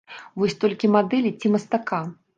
Вось толькі мадэлі ці мастака?